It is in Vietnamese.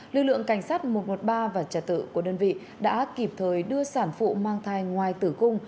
lực lượng cảnh sát một trăm một mươi ba và trả tự của đơn vị đã kịp thời đưa sản phụ mang thai ngoài tử cung